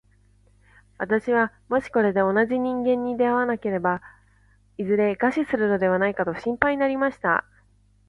私はもしこれで同じ人間に出会わなかったら、いずれ餓死するのではないかと心配になりました。